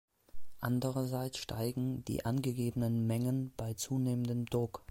Andererseits steigen die angegebenen Mengen bei zunehmendem Druck.